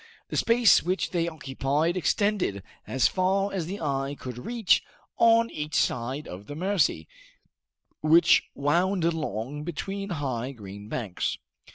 The space which they occupied extended as far as the eye could reach on each side of the Mercy, which wound along between high green banks.